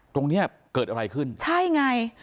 ตรงนี้เกิดอะไรขึ้น